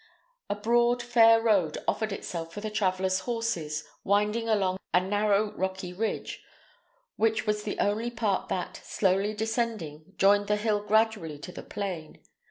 A broad, fair road offered itself for the travellers' horses, winding along a narrow rocky ridge, which was the only part that, slowly descending, joined the hill gradually to the plain.